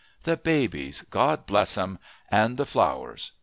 The babies, God bless 'em! and the flowers!